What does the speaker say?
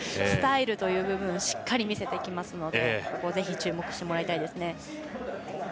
スタイルという部分しっかり見せてきますのでぜひ注目してもらいたいですね。